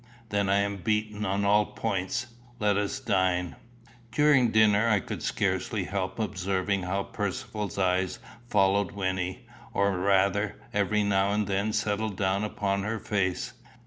"Then I am beaten on all points. Let us dine." During dinner I could scarcely help observing how Percivale's eyes followed Wynnie, or, rather, every now and then settled down upon her face.